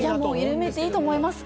緩めていいと思います。